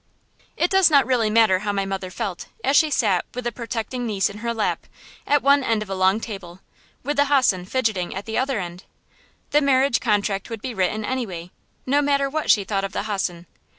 It does not really matter how my mother felt, as she sat, with a protecting niece in her lap, at one end of a long table, with the hossen fidgeting at the other end. The marriage contract would be written anyway, no matter what she thought of the hossen.